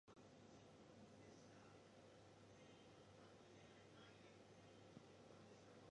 The Prime Ministers' parties are italicized.